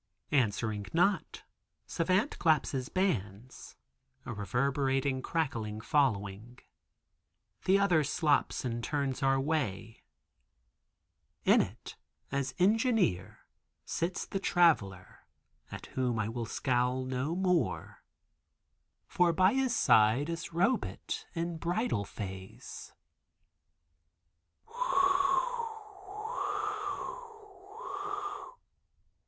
Answering not, Savant claps his bands, a reverberating crackling following. The other slops and turns our way. In it, as Engineer, sits the Traveler, at whom I will scowl no more, for by his side is Robet, in bridal phase.